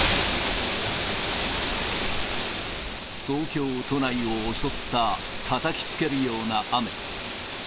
東京都内を襲ったたたきつけるような雨。